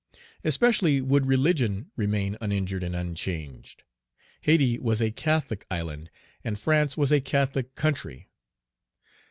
Especially would religion remain uninjured and unchanged. Hayti was a Catholic island, and France was a Catholic country.